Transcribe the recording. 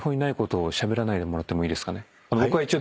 僕は一応。